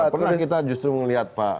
pernah kita justru melihat pak